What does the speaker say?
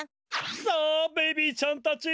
さあベイビーちゃんたち。